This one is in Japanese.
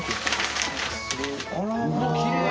きれい。